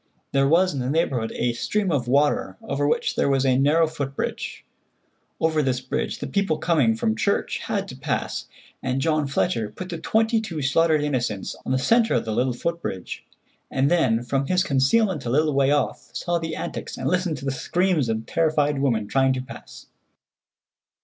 There was in the neighborhood a stream of water over which there was a narrow foot bridge. Over this bridge the people coming from church had to pass, and John Fletcher put the twenty two slaughtered innocents on the centre of the little foot bridge, and then from his concealment a little way off saw the antics and listened to the screams of the terrified women trying to pass.